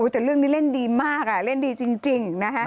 แต่เรื่องนี้เล่นดีมากเล่นดีจริงนะฮะ